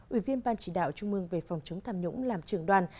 ủy viên ban chỉ đạo trung mương về phòng chống tham nhũng làm trưởng đoàn